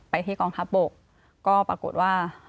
ที่กองทัพบกก็ปรากฏว่า